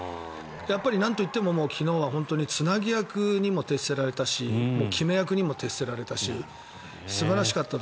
なんと言っても昨日はつなぎ役にも徹せられたし決め役にも徹せられたし素晴らしかったと。